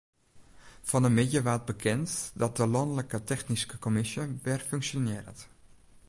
Fan 'e middei waard bekend dat de lanlike technyske kommisje wer funksjonearret.